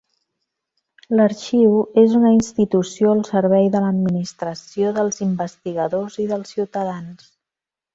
L'arxiu és una institució al servei de l'Administració, dels investigadors i dels ciutadans.